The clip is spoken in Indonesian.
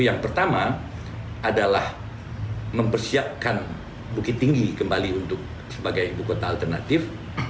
yang pertama adalah mempersiapkan bukit tinggi kembali untuk sebagai ibu kota alternatif